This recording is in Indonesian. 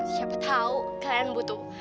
siapa tahu kalian butuh